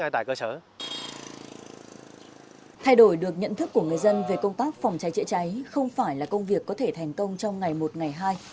thay đổi được nhận thức của người dân về công tác phòng cháy chữa cháy không phải là công việc có thể thành công trong ngày một ngày hai